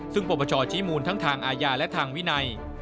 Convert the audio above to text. ซึ่งปปชชี้มูลทั้งทางอาญาและทางวินัย